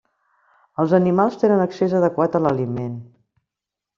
Els animals tenen accés adequat a l'aliment.